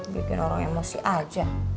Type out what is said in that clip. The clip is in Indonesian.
biarin orang emosi aja